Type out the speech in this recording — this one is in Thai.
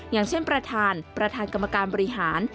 อย่างเช่นประธานประธานกรรมการบริหาร